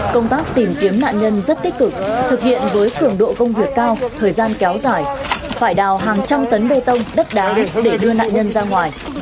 công tác tìm kiếm nạn nhân rất tích cực thực hiện với cường độ công việc cao thời gian kéo dài phải đào hàng trăm tấn bê tông đất đá để đưa nạn nhân ra ngoài